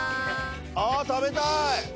あ食べたい。